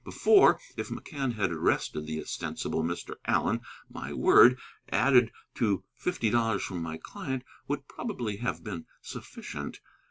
Before, if McCann had arrested the ostensible Mr. Allen, my word, added to fifty dollars from my client, would probably have been sufficient.